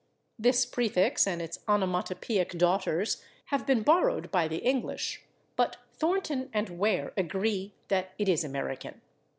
This prefix and its onomatopoeic daughters have been borrowed by the English, but Thornton and Ware agree that it is American.